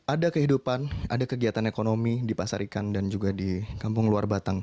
ada kehidupan ada kegiatan ekonomi di pasar ikan dan juga di kampung luar batang